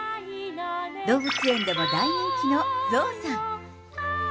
動物園でも大人気のゾウさん。